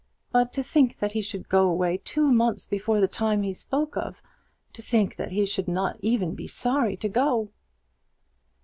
But to think that he should go away two months before the time he spoke of, to think that he should not even be sorry to go!"